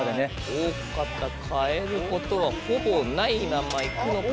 大方変えることはほぼないまま行くのか？